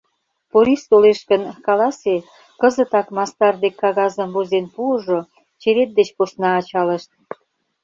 Порис толеш гын, каласе: кызытак мастар дек кагазым возен пуыжо, черет деч посна ачалышт.